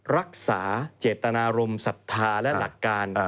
รักษาเจตนารมณ์ศรัทธาและหลักการ